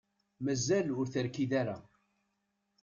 Mazal ur terkid ara.